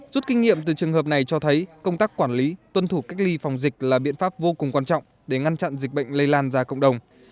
rút kinh nghiệm từ trường hợp này cho thấy công tác quản lý tuân thủ cách ly phòng dịch là biện pháp vô cùng quan trọng để ngăn chặn dịch bệnh lây lan ra cộng đồng